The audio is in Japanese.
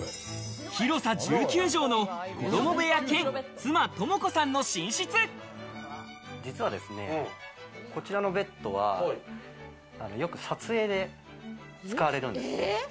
広さ１９帖の子供部屋兼妻・実はですね、こちらのベッドはよく撮影で使われるんです。